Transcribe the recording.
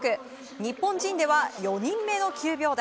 日本人では４人目の９秒台。